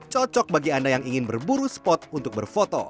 cocok bagi anda yang ingin berburu spot untuk berfoto